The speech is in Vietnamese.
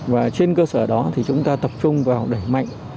và trên cơ sở đó thì chúng ta tập trung vào đẩy mạnh